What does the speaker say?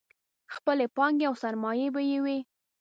خپلې پانګې او سرمایې به یې وې.